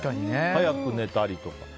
早く寝たりとか。